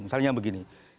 misalnya yang begini